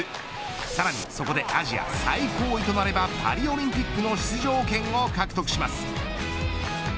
さらにここでアジア最高位となればパリオリンピックの出場権を獲得します。